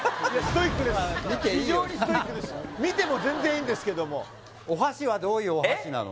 非常にストイックです見ても全然いいんですけどもお箸はどういうお箸なの？